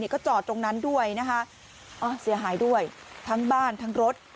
ก็จอดตรงนั้นด้วยนะคะเสียหายด้วยทั้งบ้านทั้งรถ